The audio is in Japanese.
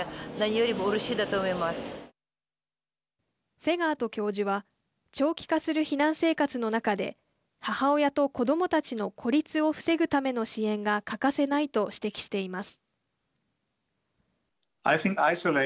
フェガート教授は長期化する避難生活の中で母親と子どもたちの孤立を防ぐための支援が欠かせないと指摘しています。